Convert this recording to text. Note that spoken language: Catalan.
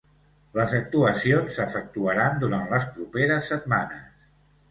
Les actuacions s’efectuaran durant les properes setmanes.